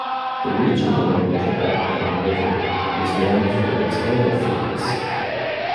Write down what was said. The region along the Batman River is known for its oil fields.